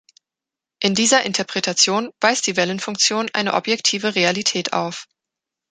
In dieser Interpretation weist die Wellenfunktion eine objektive Realität auf.